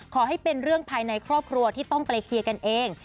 ขอให้เป็นเรื่องภายในครอบครัวที่ต้องไปเคลียร์กันเอง